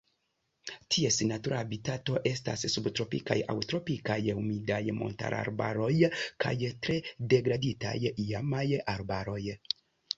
Ties natura habitato estas subtropikaj aŭ tropikaj humidaj montararbaroj kaj tre degraditaj iamaj arbaroj.